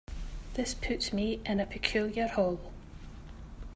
This puts me in a peculiar hole.